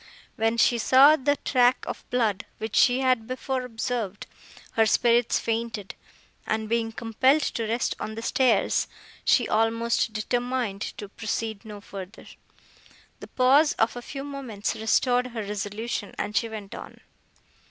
When she saw the track of blood, which she had before observed, her spirits fainted, and, being compelled to rest on the stairs, she almost determined to proceed no further. The pause of a few moments restored her resolution, and she went on.